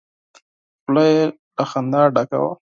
خوله يې له خندا ډکه وه!